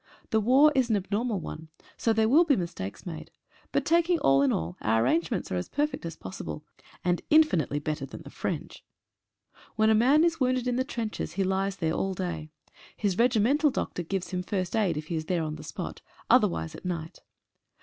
The war is an abnormal one, so there will be mistakes made. But taking all in all our arrangements are as perfect as possible, and infinitely better than the French. When a man is wounded in the trenches he lies there all day. His regimental doctor gives him first aid if he is there on the spot, otherwise at night.